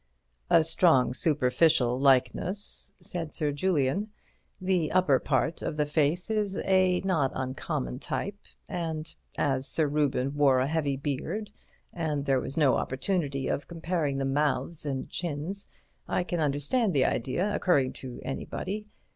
"A strong superficial likeness," said Sir Julian. "The upper part of the face is a not uncommon type, and as Sir Reuben wore a heavy beard and there was no opportunity of comparing the mouths and chins, I can understand the idea occurring to anybody.